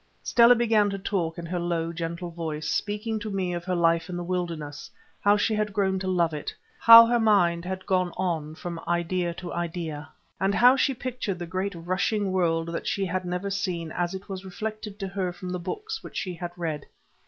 Stella began to talk in her low, gentle voice, speaking to me of her life in the wilderness, how she had grown to love it, how her mind had gone on from idea to idea, and how she pictured the great rushing world that she had never seen as it was reflected to her from the books which she had read.